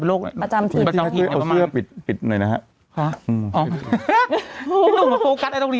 เป็นโรคประจำขิบเอาเสื้อปิดปิดหน่อยนะฮะฮะอ๋อพี่หนูมาโฟกัสไอ้ตรงนี้